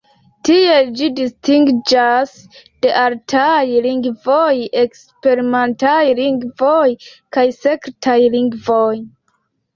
Tiel ĝi distingiĝas de artaj lingvoj, eksperimentaj lingvoj kaj sekretaj lingvoj.